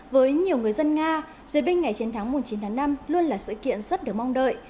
với nhiều người dân nga duyệt binh ngày chiến thắng chín tháng năm luôn là sự kiện rất được mong đợi